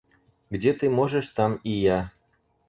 Где ты можешь, там и я...